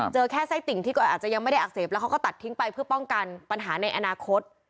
เจอแค่ไส้ติ่งที่ก็อาจจะยังไม่ได้อักเสบแล้วเขาก็ตัดทิ้งไปเพื่อป้องกันปัญหาในอนาคต